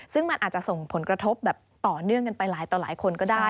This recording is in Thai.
ซึ่งมันอาจจะส่งผลกระทบแบบต่อเนื่องกันไปหลายต่อหลายคนก็ได้